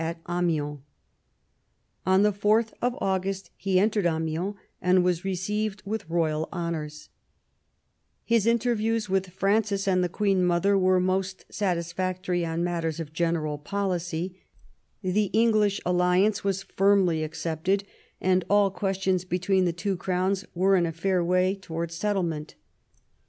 at Amiens. On 4th August he entered Amiens, and was received with royal honoura His interviews with Francis and the queen mother were most satis factory on matters of general policy: the English alliance was firmly accepted, and all questions between the two Crowns were in a fair way towards settlement.